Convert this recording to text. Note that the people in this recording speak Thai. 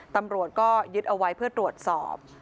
ตำรวจก็ยึดเอาไว้เพื่อตรวจสอบ